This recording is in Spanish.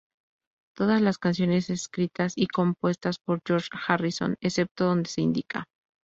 Todas las canciones escritas y compuestas por George Harrison excepto donde se indica.